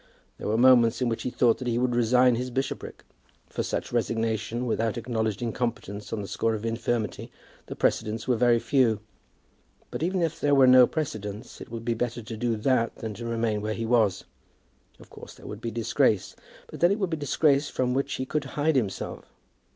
There were moments in which he thought that he would resign his bishopric. For such resignation, without acknowledged incompetence on the score of infirmity, the precedents were very few; but even if there were no precedents, it would be better to do that than to remain where he was. Of course there would be disgrace. But then it would be disgrace from which he could hide himself.